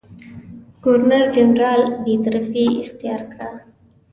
ګورنرجنرال بېطرفي اختیار کړه.